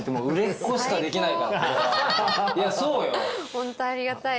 ホントありがたい。